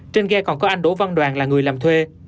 trên ghe còn có anh đỗ văn đoàn là người làm thuê